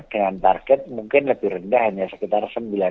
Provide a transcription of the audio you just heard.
dengan target mungkin lebih rendah hanya sekitar sembilan